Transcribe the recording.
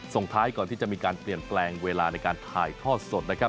ส่งท้ายก่อนที่จะมีการเปลี่ยนแปลงเวลาในการถ่ายทอดสดนะครับ